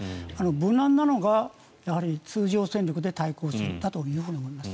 無難なのが通常戦力で対抗するということだと思います。